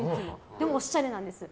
でも、おしゃれなんです。